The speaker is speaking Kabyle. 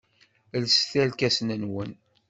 Lset irkasen-nwen.